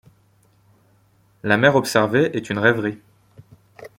La mer observée est une rêverie.